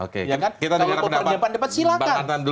kalau mau pertanyaan pertanyaan dapat silahkan